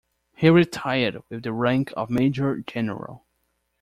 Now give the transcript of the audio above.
He retired with the rank of Major general.